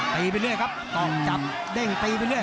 ไปเรื่อยครับต้องจับเด้งตีไปเรื่อย